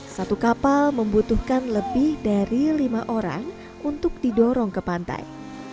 satu kapal membutuhkan lebih dari lima orang untuk didorong ke pantai